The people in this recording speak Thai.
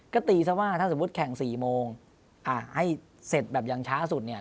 ก็ตีซะว่าถ้าสมมุติแข่ง๔โมงอ่าให้เสร็จแบบอย่างช้าสุดเนี่ย